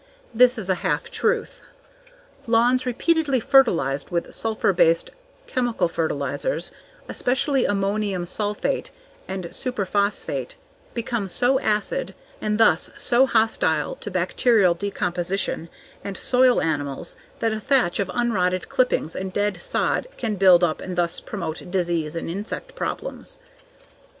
This is a half truth. Lawns repeatedly fertilized with sulfur based chemical fertilizers, especially ammonium sulfate and superphosphate, become so acid and thus so hostile to bacterial decomposition and soil animals that a thatch of unrotted clippings and dead sod can build up and thus promote disease and insect problems.